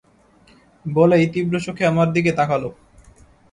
বলেই তীব্র চোখে আমার দিকে তাকাল।